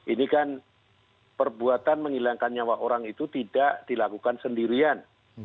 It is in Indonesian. ini kan perbuatan menghilangkan nyawa orang itu tidak dilakukan sendirian